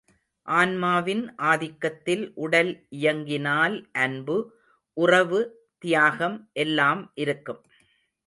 ஆன்மாவின் ஆதிக்கத்தில் உடல் இயங்கினால் அன்பு, உறவு, தியாகம் எல்லாம் இருக்கும்.